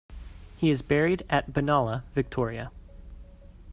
He is buried at Benalla, Victoria.